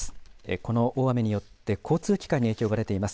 この大雨によって交通機関に影響が出ています。